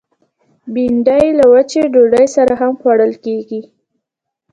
بېنډۍ له وچې ډوډۍ سره هم خوړل کېږي